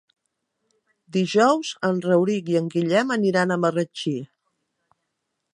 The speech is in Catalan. Dijous en Rauric i en Guillem aniran a Marratxí.